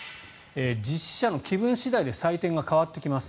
実施者の気分次第で採点が変わってきます。